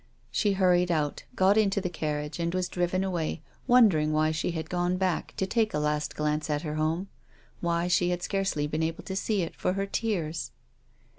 She hurried out, got into the carriage and was driven away, wondering why she had gone back to take a last glance at her home, why she had scarcely been able to see it for her tears.